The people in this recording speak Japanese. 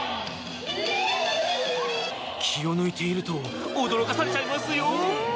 気を抜いていると驚かされちゃいますよ。